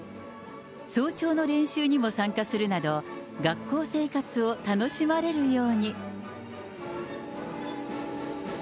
早朝の練習にも参加するなど、学校生活を楽しまれるように。